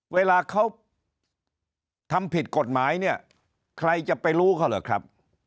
เวลาเขาทำผิดกฎหมายเนี่ยใครจะไปรู้เขาเหรอครับ